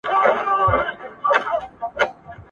ناخبره له خزانه نڅېدلای ..